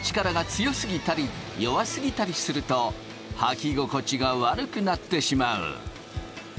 強すぎたり弱すぎたりすると履き心地が悪くなってしまう。